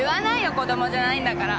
子供じゃないんだから。